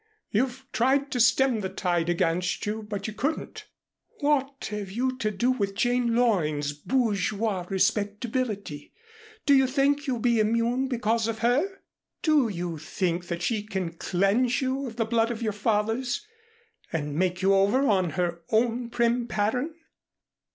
You've tried to stem the tide against you, but you couldn't. What have you to do with Jane Loring's bourgeois respectability? Do you think you'll be immune because of her? Do you think that she can cleanse you of the blood of your fathers and make you over on her own prim pattern?